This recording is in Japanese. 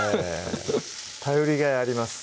フフフ頼りがいあります